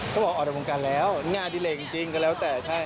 ก็บอกว่าออกอันดับวงการแล้วงาดิเรย์จริงก็แล้วแต่ใช่ฮะ